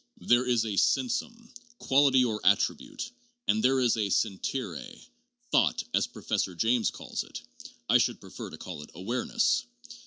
There as a sensum (quality or attribute), and there is a sentire ('thought,' as Professor James calls it; I should prefer to call it awareness)